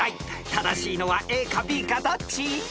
正しいのはＡかＢかどっち？］